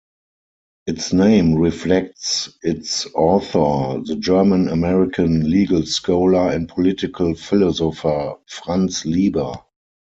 Its name reflects its author, the German-American legal scholar and political philosopher Franz Lieber.